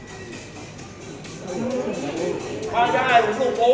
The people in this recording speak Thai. อันนี้มันเป็นสิ่งที่เราไม่รู้สึกว่ามันเป็นสิ่งที่เราไม่รู้สึกว่า